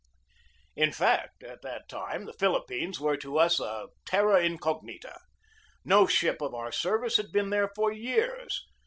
In fact, at that time the Philippines were to us a terra incognita. No ship of our service had been there for years.